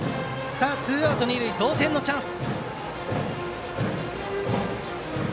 ツーアウト、二塁同点のチャンス。